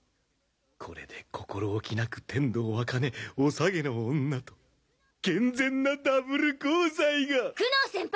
これで心置きなく天道あかねおさげの女と健全なダブル交際が・九能先輩！